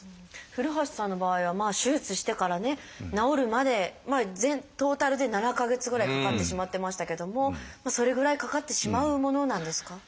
古橋さんの場合は手術してからね治るまでトータルで７か月ぐらいかかってしまってましたけどもそれぐらいかかってしまうものなんですか？